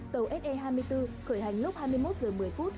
tàu se hai mươi bốn khởi hành lúc hai mươi một giờ một mươi